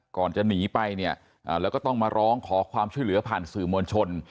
ก่อนจะหนีไปเนี่ยแล้วก็ต้องมาร้องขอความช่วยเหลือผ่านสื่อมวลชน